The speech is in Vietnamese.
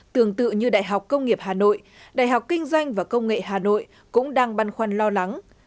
tương tự như đại học công nghiệp hà nội đại học kinh doanh và công nghệ hà nội cũng đang băn khoăn lo lắng